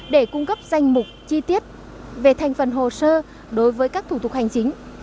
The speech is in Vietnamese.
để cung cấp danh mục chi tiết về thành phần hồ sơ đối với các thủ thuật hoàn chính